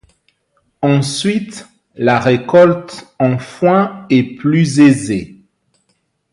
Ensuite, la récolte en foin est plus aisée.